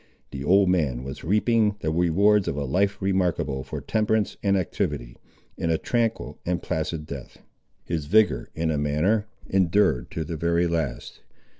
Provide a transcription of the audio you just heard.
The old man was reaping the rewards of a life remarkable for temperance and activity, in a tranquil and placid death. His vigour in a manner endured to the very last.